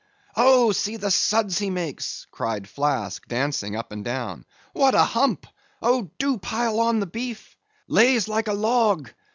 "Oh! see the suds he makes!" cried Flask, dancing up and down—"What a hump—Oh, do pile on the beef—lays like a log!